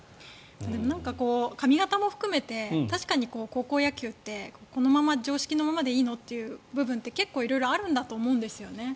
髪形も含めて確かに高校野球ってこのまま常識のままでいいの？っていう部分って結構、色々あるんだと思うんですよね。